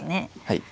はい。